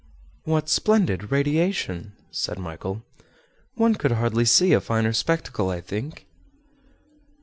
"What splendid radiation!" said Michel. "One could hardly see a finer spectacle, I think."